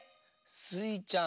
スイちゃん